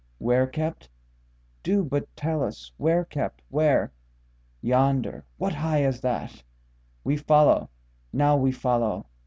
—Where kept? Do but tell us where kept, where.—Yonder.—What high as that! We follow, now we follow.